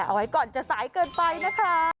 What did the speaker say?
เอาไว้ก่อนจะสายเกินไปนะคะ